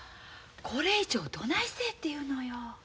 これ以上どないせえっていうのよ。